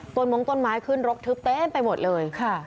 มงต้นไม้ขึ้นรกทึบเต็มไปหมดเลย